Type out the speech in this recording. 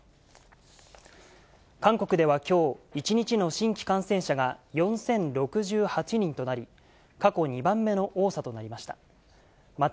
韓国ではきょう、１日の新規感染者が４０６８人となり、過去２番目の多さとなりました。